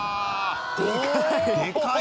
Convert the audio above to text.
でかい！